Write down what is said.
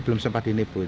belum sempat dinebu